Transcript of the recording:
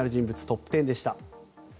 トップ１０でした。